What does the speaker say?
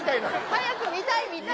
早く、見たい、見たい。